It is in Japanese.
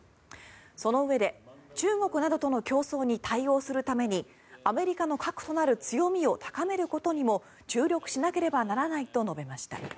そのうえで中国などとの競争に対応するためにアメリカの核となる強みを高めることにも注力しなければならないと述べました。